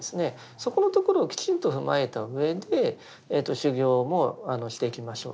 そこのところをきちんと踏まえたうえで修行もしていきましょうと。